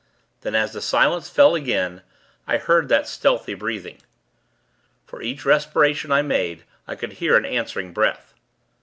Then, as the silence fell again, I heard that stealthy breathing. For each respiration I made, I could hear an answering breath.